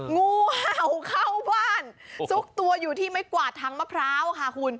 งูเห่าเข้าบ้านซุกตัวอยู่ที่ไม้กวาดทางมะพร้าวค่ะคุณ